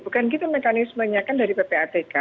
bukan kita mekanismenya kan dari ppatk